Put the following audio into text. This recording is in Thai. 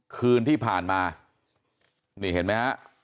คืนที่ผ่านมานี่เห็นไหมฮะ